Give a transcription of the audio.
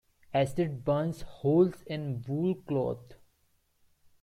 Acid burns holes in wool cloth.